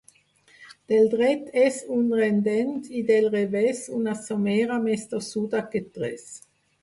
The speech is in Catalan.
Del dret és un rendent i del revés una somera més tossuda que tres.